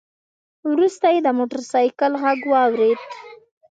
وروسته يې د موټر سايکل غږ واورېد.